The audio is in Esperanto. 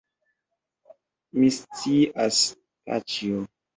Mi scias, paĉjo.